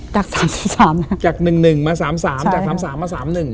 จากสามสิบสามนะจากหนึ่งหนึ่งมาสามสามจากสามสามมาสามหนึ่ง